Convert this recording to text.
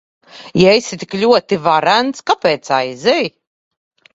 Ja esi tik ļoti varens, kāpēc aizej?